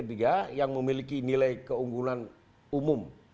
ini dari ketiga yang memiliki nilai keunggulan umum